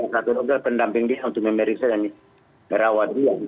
satu dokter pendamping dia untuk memeriksa dan merawat dia